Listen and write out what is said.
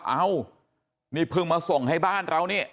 เอ้านี่เพิ่งมาส่งให้บ้านเรานี่